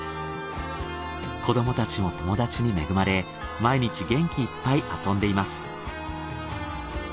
子どもたちも友達に恵まれ毎日元気いっぱい遊んでいます。